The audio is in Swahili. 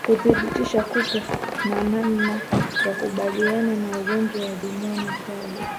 Kudhibiti kupe ni namna ya kukabiliana na ugonjwa wa ndigana kali